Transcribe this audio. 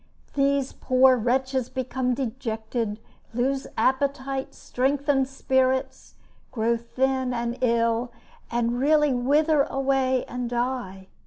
The poor wretches become dejected, lose appetite, strength, and spirits, grow thin and ill, and really wither away and die.